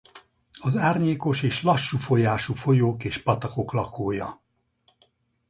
Az árnyékos és lassú folyású folyók és patakok lakója.